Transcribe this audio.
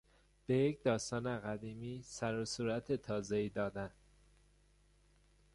به یک داستان قدیمی سر و صورت تازهای دادن